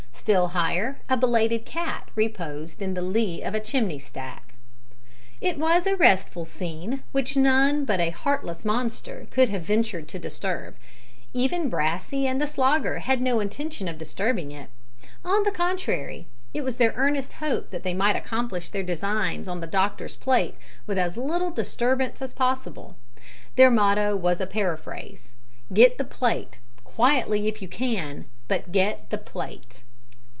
Still higher, a belated cat reposed in the lee of a chimney stack. It was a restful scene, which none but a heartless monster could have ventured to disturb. Even Brassey and the Slogger had no intention of disturbing it on the contrary, it was their earnest hope that they might accomplish their designs on the doctor's plate with as little disturbance as possible. Their motto was a paraphrase, "Get the plate quietly, if you can, but get the plate!"